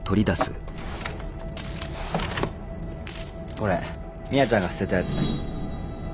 これ宮ちゃんが捨てたやつ。